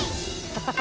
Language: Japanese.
ハハハハ。